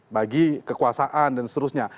bagi kekuasaan dan seterusnya